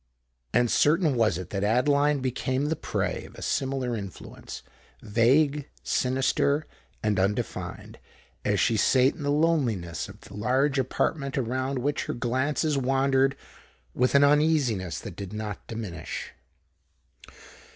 And certain was it that Adeline became the prey of a similar influence—vague, sinister, and undefined,—as she sate in the loneliness of the large apartment around which her glances wandered with an uneasiness that did not diminish.